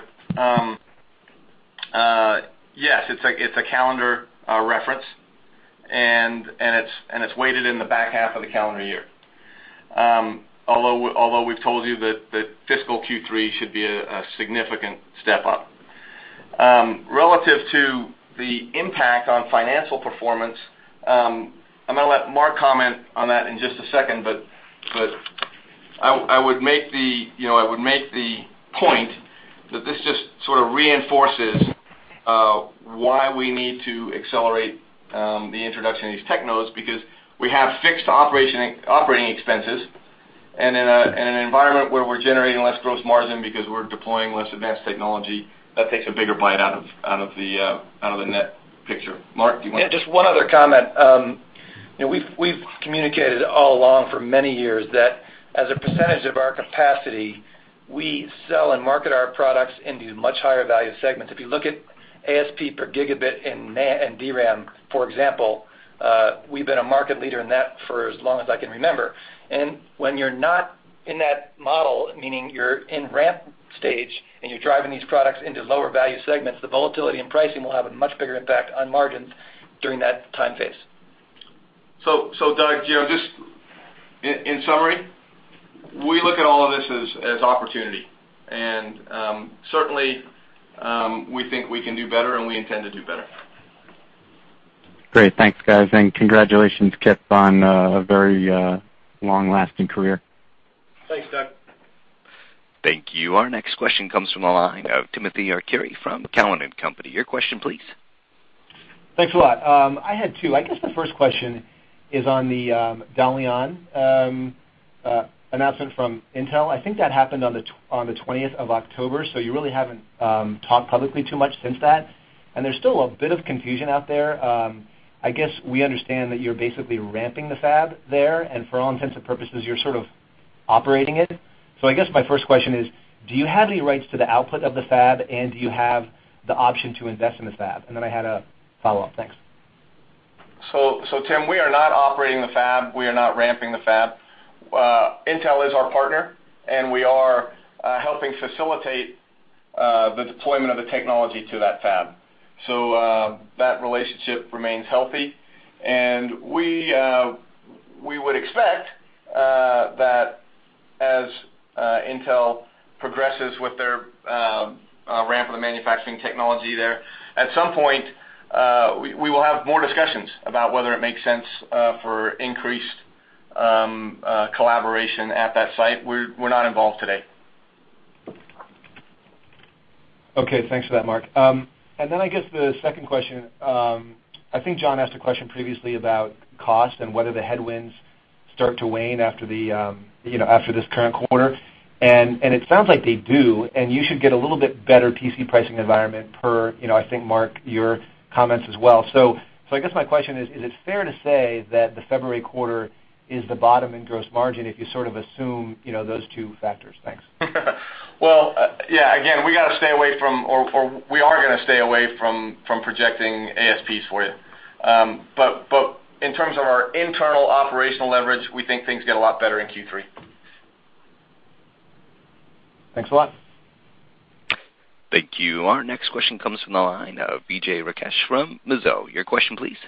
yes, it's a calendar reference, and it's weighted in the back half of the calendar year. Although we've told you that fiscal Q3 should be a significant step up. Relative to the impact on financial performance, I'm going to let Mark comment on that in just a second, but I would make the point It reinforces why we need to accelerate the introduction of these technos, because we have fixed operating expenses, and in an environment where we're generating less gross margin because we're deploying less advanced technology, that takes a bigger bite out of the net picture. Mark, do you want- Yeah, just one other comment. We've communicated all along for many years that as a percentage of our capacity, we sell and market our products into much higher value segments. If you look at ASP per gigabit in NAND and DRAM, for example, we've been a market leader in that for as long as I can remember. When you're not in that model, meaning you're in ramp stage and you're driving these products into lower value segments, the volatility in pricing will have a much bigger impact on margins during that time phase. Doug, in summary, we look at all of this as opportunity, and certainly, we think we can do better and we intend to do better. Great. Thanks, guys, and congratulations, Kipp, on a very long-lasting career. Thanks, Doug. Thank you. Our next question comes from the line of Timothy Arcuri from Cowen and Company. Your question, please. Thanks a lot. I had two. I guess the first question is on the Dalian announcement from Intel. I think that happened on the 20th of October, you really haven't talked publicly too much since that. There's still a bit of confusion out there. I guess we understand that you're basically ramping the fab there, and for all intents and purposes, you're sort of operating it. I guess my first question is, do you have any rights to the output of the fab, and do you have the option to invest in the fab? I had a follow-up. Thanks. Tim, we are not operating the fab. We are not ramping the fab. Intel is our partner, and we are helping facilitate the deployment of the technology to that fab. That relationship remains healthy, and we would expect that as Intel progresses with their ramp of the manufacturing technology there, at some point, we will have more discussions about whether it makes sense for increased collaboration at that site. We're not involved today. Okay. Thanks for that, Mark. I guess the second question, I think John asked a question previously about cost and whether the headwinds start to wane after this current quarter. It sounds like they do, and you should get a little bit better PC pricing environment per, I think, Mark, your comments as well. I guess my question is it fair to say that the February quarter is the bottom in gross margin if you sort of assume those two factors? Thanks. Well, yeah, again, we got to stay away from or we are going to stay away from projecting ASPs for you. In terms of our internal operational leverage, we think things get a lot better in Q3. Thanks a lot. Thank you. Our next question comes from the line of Vijay Rakesh from Mizuho. Your question, please.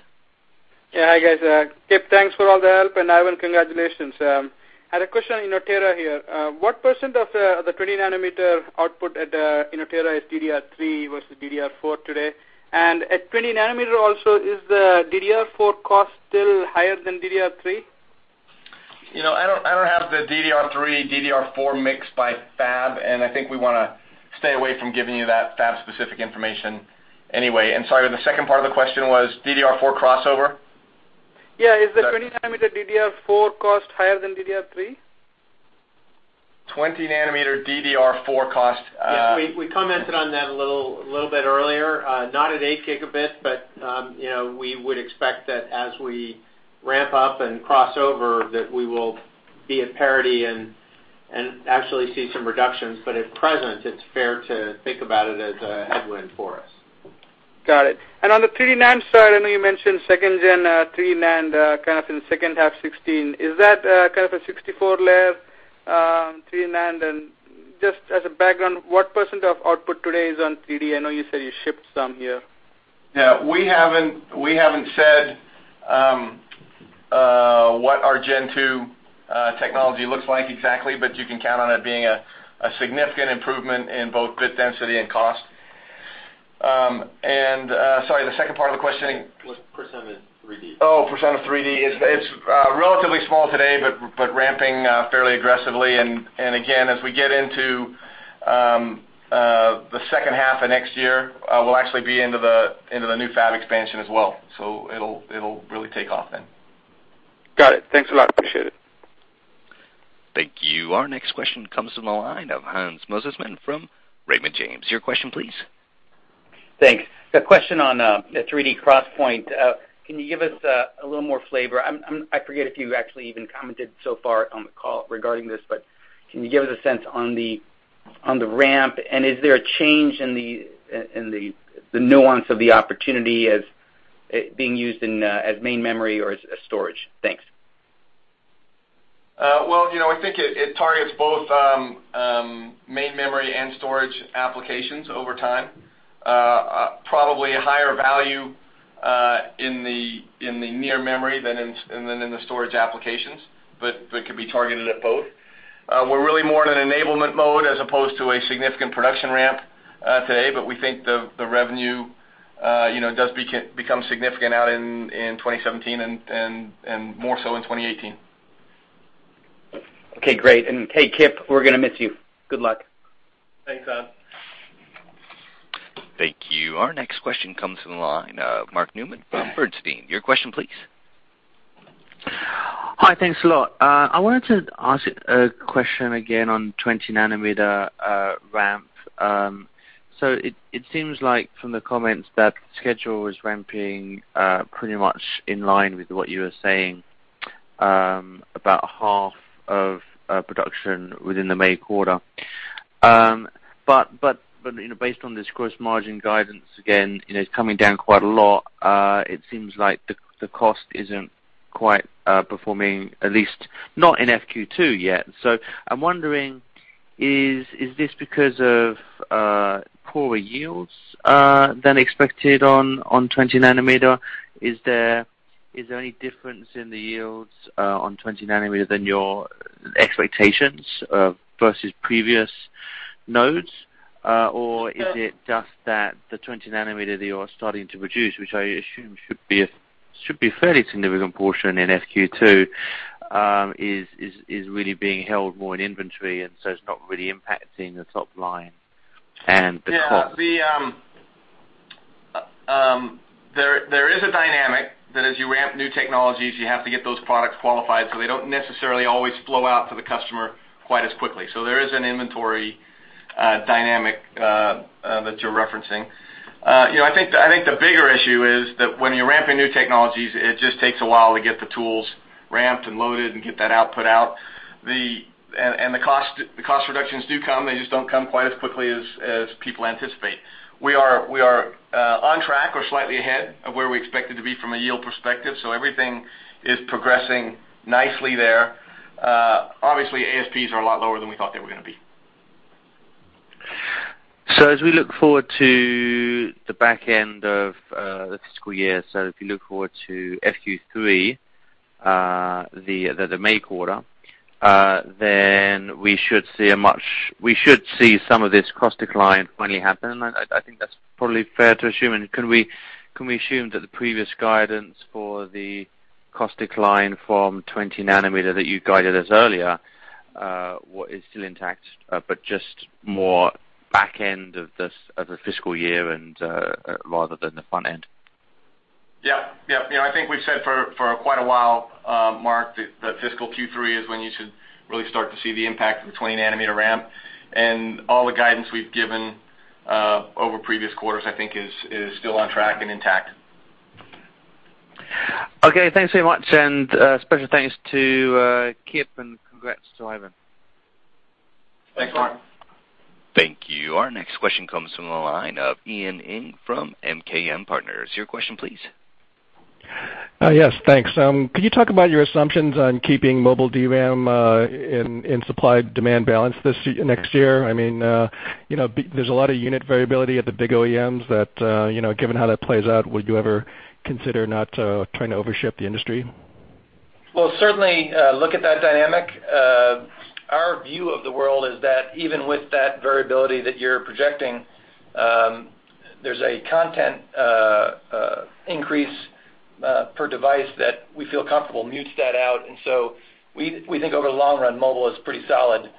Yeah. Hi, guys. Kipp, thanks for all the help, and Ivan, congratulations. I had a question on Inotera here. What % of the 20 nanometer output at Inotera is DDR3 versus DDR4 today? At 20 nanometer also, is the DDR4 cost still higher than DDR3? I don't have the DDR3/DDR4 mix by fab. I think we want to stay away from giving you that fab-specific information anyway. Sorry, the second part of the question was DDR4 crossover? Yeah. Is the 20 nanometer DDR4 cost higher than DDR3? 20 nanometer DDR4 cost Yeah. We commented on that a little bit earlier. Not at 8 gigabit, but we would expect that as we ramp up and cross over, that we will be at parity and actually see some reductions. At present, it's fair to think about it as a headwind for us. Got it. On the 3D NAND side, I know you mentioned second gen 3D NAND kind of in the second half 2016. Is that kind of a 64-layer 3D NAND? Just as a background, what % of output today is on 3D? I know you said you shipped some here. Yeah. We haven't said what our Gen2 technology looks like exactly, but you can count on it being a significant improvement in both bit density and cost. Sorry, the second part of the questioning. What % of it is 3D? Oh, % of 3D. It's relatively small today, but ramping fairly aggressively. Again, as we get into the second half of next year, we'll actually be into the new fab expansion as well. It'll really take off then. Got it. Thanks a lot. Appreciate it. Thank you. Our next question comes from the line of Hans Mosesmann from Raymond James. Your question, please. Thanks. The question on the 3D XPoint, can you give us a little more flavor? I forget if you actually even commented so far on the call regarding this, but can you give us a sense on the ramp, is there a change in the nuance of the opportunity as being used as main memory or as storage? Thanks. Well, I think it targets both main memory and storage applications over time. Probably a higher value in the near memory than in the storage applications, could be targeted at both. We're really more in an enablement mode as opposed to a significant production ramp today, we think the revenue does become significant out in 2017 and more so in 2018. Okay, great. Hey, Kipp, we're going to miss you. Good luck. Thanks, Hans. Thank you. Our next question comes from the line of Mark Newman from Bernstein. Your question, please. Hi. Thanks a lot. I wanted to ask a question again on 20 nanometer ramp. It seems like from the comments that schedule is ramping pretty much in line with what you were saying about half of production within the May quarter. Based on this gross margin guidance, again, it's coming down quite a lot. It seems like the cost isn't quite performing, at least not in FQ2 yet. I'm wondering, is this because of poorer yields than expected on 20 nanometer? Is there any difference in the yields on 20 nanometer than your expectations versus previous nodes? Or is it just that the 20 nanometer that you are starting to produce, which I assume should be a fairly significant portion in FQ2, is really being held more in inventory and it's not really impacting the top line and the cost? There is a dynamic that as you ramp new technologies, you have to get those products qualified, so they don't necessarily always flow out to the customer quite as quickly. There is an inventory dynamic that you're referencing. I think the bigger issue is that when you're ramping new technologies, it just takes a while to get the tools ramped and loaded and get that output out. The cost reductions do come. They just don't come quite as quickly as people anticipate. We are on track or slightly ahead of where we expected to be from a yield perspective. Everything is progressing nicely there. Obviously, ASPs are a lot lower than we thought they were going to be. As we look forward to the back end of the fiscal year, if you look forward to FQ3, the May quarter, we should see some of this cost decline finally happen. I think that's probably fair to assume. Can we assume that the previous guidance for the cost decline from 20 nanometer that you guided us earlier is still intact but just more back end of the fiscal year rather than the front end? Yep. I think we've said for quite a while, Mark, that fiscal Q3 is when you should really start to see the impact of the 20 nanometer ramp. All the guidance we've given over previous quarters, I think is still on track and intact. Okay, thanks very much. Special thanks to Kipp and congrats to Ivan. Thanks, Mark. Thank you. Our next question comes from the line of Ian Ing from MKM Partners. Your question, please. Yes, thanks. Could you talk about your assumptions on keeping mobile DRAM in supply-demand balance next year? There's a lot of unit variability at the big OEMs that, given how that plays out, would you ever consider not trying to overship the industry? We'll certainly look at that dynamic. Our view of the world is that even with that variability that you're projecting, there's a content increase per device that we feel comfortable mutes that out. We think over the long run, mobile is pretty solid.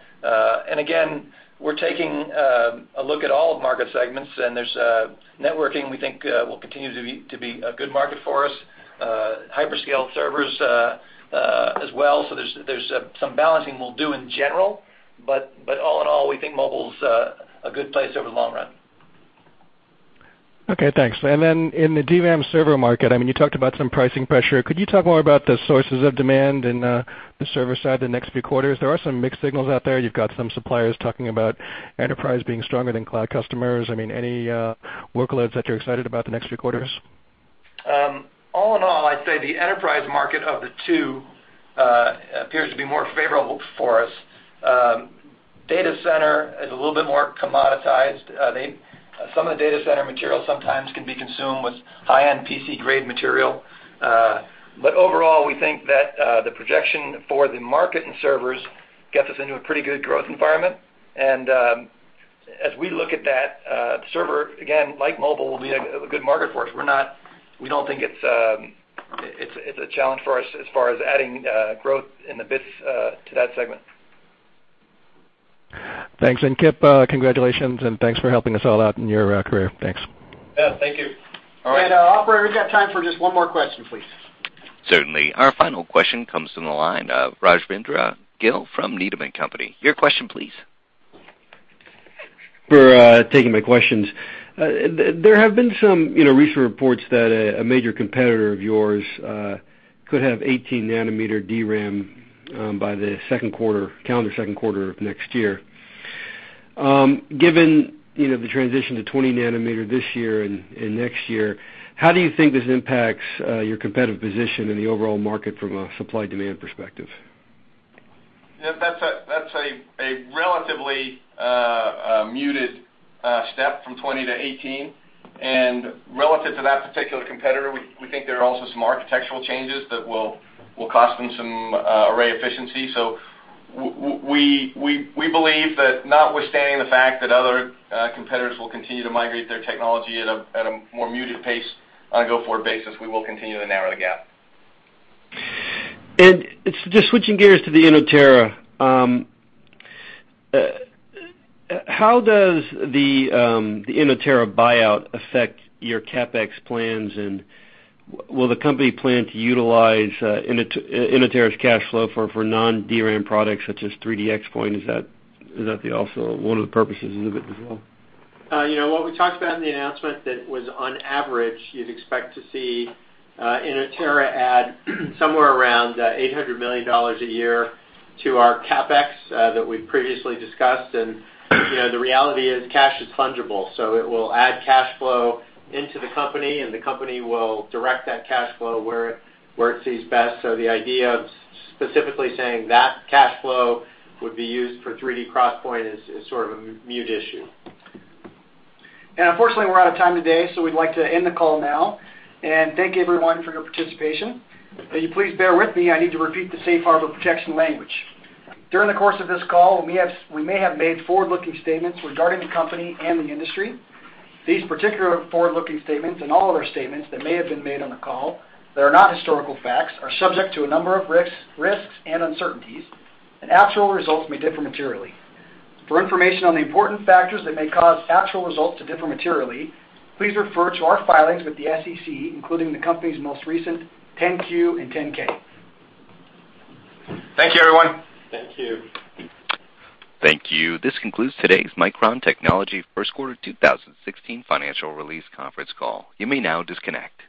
Again, we're taking a look at all of market segments, and there's networking we think will continue to be a good market for us, hyperscale servers as well. There's some balancing we'll do in general, but all in all, we think mobile is a good place over the long run. Okay, thanks. Then in the DRAM server market, you talked about some pricing pressure. Could you talk more about the sources of demand in the server side the next few quarters? There are some mixed signals out there. You've got some suppliers talking about enterprise being stronger than cloud customers. Any workloads that you're excited about the next few quarters? All in all, I'd say the enterprise market of the two appears to be more favorable for us. Data center is a little bit more commoditized. Some of the data center material sometimes can be consumed with high-end PC-grade material. Overall, we think that the projection for the market and servers gets us into a pretty good growth environment. As we look at that server, again, like mobile, will be a good market for us. We don't think it's a challenge for us as far as adding growth in the bits to that segment. Thanks. Kipp, congratulations and thanks for helping us all out in your career. Thanks. Yeah, thank you. All right. Operator, we've got time for just one more question, please. Certainly. Our final question comes from the line of Rajvindra Gill from Needham & Company. Your question, please. Thank you for taking my questions. There have been some recent reports that a major competitor of yours could have 18 nanometer DRAM by the calendar 2Q of next year. Given the transition to 20 nanometer this year and next year, how do you think this impacts your competitive position in the overall market from a supply-demand perspective? That's a relatively muted step from 20 to 18. Relative to that particular competitor, we think there are also some architectural changes that will cost them some array efficiency. We believe that notwithstanding the fact that other competitors will continue to migrate their technology at a more muted pace on a go-forward basis, we will continue to narrow the gap. Just switching gears to the Inotera. How does the Inotera buyout affect your CapEx plans, and will the company plan to utilize Inotera's cash flow for non-DRAM products such as 3D XPoint? Is that also one of the purposes of it as well? What we talked about in the announcement that was on average, you'd expect to see Inotera add somewhere around $800 million a year to our CapEx that we previously discussed. The reality is cash is fungible, so it will add cash flow into the company, and the company will direct that cash flow where it sees best. The idea of specifically saying that cash flow would be used for 3D XPoint is sort of a moot issue. Unfortunately, we're out of time today, so we'd like to end the call now. Thank everyone for your participation. Will you please bear with me? I need to repeat the Safe Harbor protection language. During the course of this call, we may have made forward-looking statements regarding the company and the industry. These particular forward-looking statements, and all other statements that may have been made on the call that are not historical facts, are subject to a number of risks and uncertainties, and actual results may differ materially. For information on the important factors that may cause actual results to differ materially, please refer to our filings with the SEC, including the company's most recent 10-Q and 10-K. Thank you, everyone. Thank you. Thank you. This concludes today's Micron Technology first quarter 2016 financial release conference call. You may now disconnect.